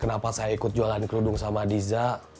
kenapa saya ikut jualan kerudung sama diza